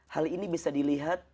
hal ini bisa dilihat